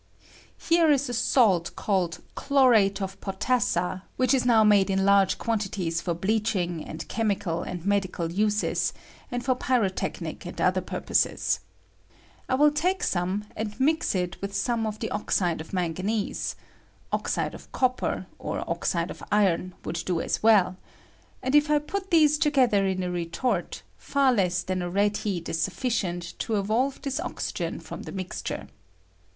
Here ia a salt called chlorate of potassa, which is now made in large quantities for bleaching, and chemical and med ical uses, and for pyrotechnic and other pur ^^P^tlie PREPABATION OP OSTGEN. Ill I will take some and mix it mth some tlie oxide of manganese (oxide of copper, or oxide of iron would do as well), and if 1 put these together in a retort, far less thao a red heat is sufficient to evolve this oxygen from tho mixture.